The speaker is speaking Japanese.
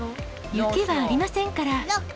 雪はありませんから。